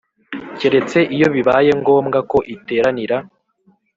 keretse iyo bibaye ngombwa ko iteranira